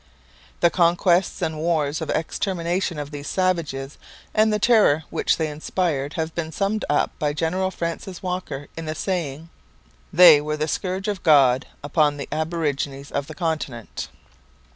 The conquests and wars of extermination of these savages, and the terror which they inspired, have been summed up by General Francis Walker in the saying: 'They were the scourge of God upon the aborigines of the continent.'